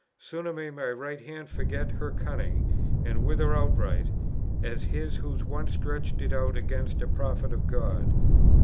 Sooner may my right hand forget her cunning, and wither outright, as his who once stretched it out against a prophet of God!